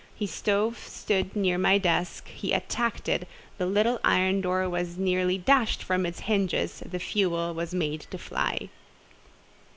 The stove stood near my desk, he attacked it; the little iron door was nearly dashed from its hinges, the fuel was made to fly.